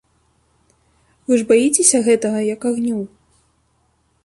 Вы ж баіцеся гэтага, як агню!